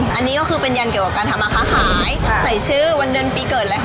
มันเหลือใช่มาแล้วก็ขายดีตลอด